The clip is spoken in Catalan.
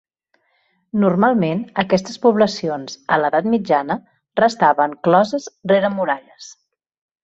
Normalment aquestes poblacions, a l'edat mitjana, restaven closes rere muralles.